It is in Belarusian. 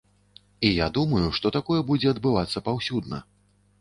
І я думаю, што такое будзе адбывацца паўсюдна.